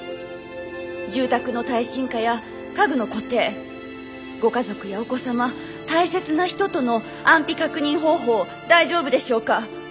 住宅の耐震化や家具の固定ご家族やお子様大切な人との安否確認方法大丈夫でしょうか。